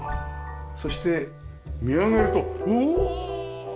そして見上げるとうお！